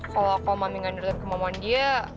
kalau aku mami ngandur andur kemauan dia